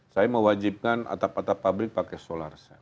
saya mewajibkan atap atap pabrik pakai solar